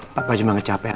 papa cuma ngecapek aja